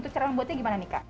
cara membuatnya bagaimana